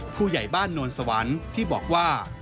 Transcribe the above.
ผู้ใหญ่บ้านนวลสวรรค์ที่บอกว่า